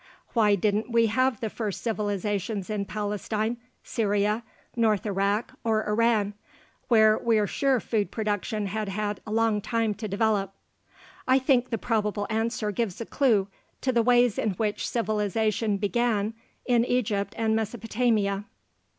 Why didn't we have the first civilizations in Palestine, Syria, north Iraq, or Iran, where we're sure food production had had a long time to develop? I think the probable answer gives a clue to the ways in which civilization began in Egypt and Mesopotamia.